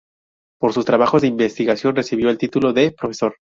Por sus trabajos de investigación recibió el título de "Profesor".